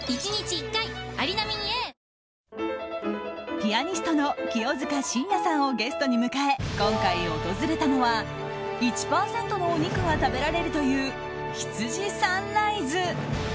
ピアニストの清塚信也さんをゲストに迎え、今回訪れたのは１％のお肉が食べられるという羊ＳＵＮＲＩＳＥ。